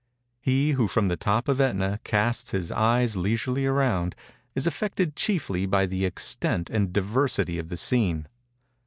He who from the top of Ætna casts his eyes leisurely around, is affected chiefly by the extent and diversity of the scene.